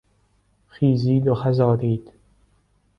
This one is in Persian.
خیزید و خز آرید...